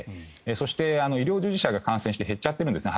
そして、医療従事者が感染して減っちゃってるんですね